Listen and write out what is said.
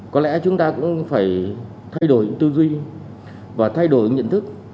có lẽ chúng ta cũng phải thay đổi tư duy và thay đổi nhận thức